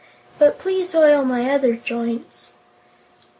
But please oil my other joints."